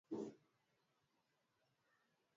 Mahembe ya mubichi inaletaka kilonda tumbo